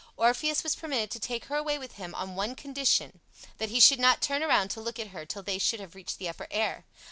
Orpheus was permitted to take her away with him on one condition, that he should not turn around to look at her till they should have reached the upper air.